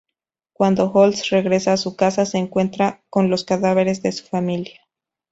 Cuando Holtz regresa a su casa se encuentra con los cadáveres de su familia.